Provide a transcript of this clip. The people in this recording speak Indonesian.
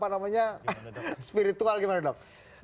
namanya spiritual gimana dok